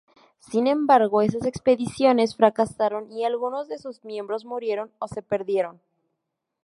Sin embargo, esas expediciones fracasaron y algunos de sus miembros murieron o se perdieron.